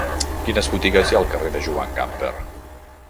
Quines botigues hi ha al carrer de Joan Gamper?